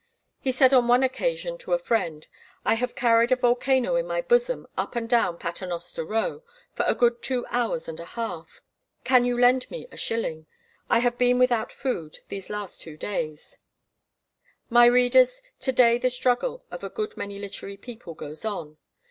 He said on one occasion to a friend: "I have carried a volcano in my bosom up and down Paternoster Row for a good two hours and a half. Can you lend me a shilling? I have been without food these two days." My readers, to day the struggle of a good many literary people goes on.